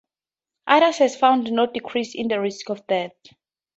Others have found no decrease in the risk of death.